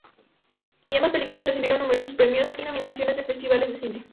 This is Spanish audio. Y ambas películas recibieron numerosos premios y nominaciones en festivales de cine.